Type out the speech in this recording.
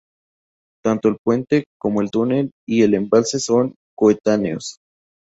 Tanto el puente, como el túnel y el embalse son coetáneos.